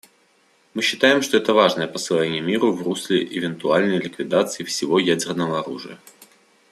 Мы считаем, что это важное послание миру в русле эвентуальной ликвидации всего ядерного оружия.